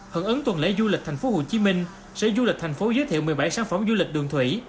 hận ứng tuần lễ du lịch thành phố hồ chí minh sẽ du lịch thành phố giới thiệu một mươi bảy sản phẩm du lịch đường thủy